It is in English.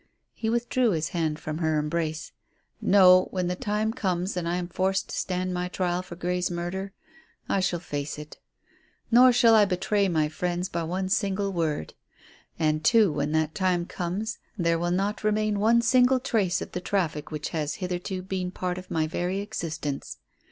He withdrew his hand from her embrace. "No, when the time comes and I am forced to stand my trial for Grey's murder, I shall face it. Nor shall I betray my friends by one single word. And, too, when that time comes there will not remain one single trace of the traffic which has hitherto been part of my very existence.